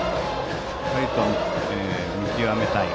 しっかりと見極めたい。